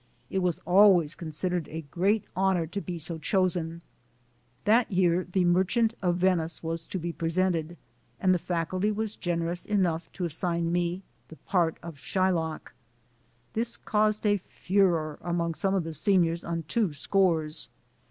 It was always considered a great honor to be so chosen. That year the "Merchant of Venice" was to be presented and the faculty was generous enough to assign to me the part of Shylock. This caused a furore among some of the seniors on two scores.